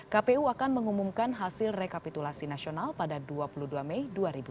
kpu akan mengumumkan hasil rekapitulasi nasional pada dua puluh dua mei dua ribu dua puluh